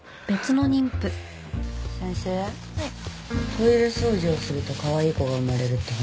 トイレ掃除をするとかわいい子が生まれるって本当？